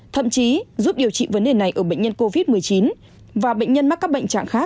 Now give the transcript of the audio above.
thậm chí giúp điều trị vấn đề này ở bệnh nhân covid một mươi chín và bệnh nhân mắc các bệnh trạng khác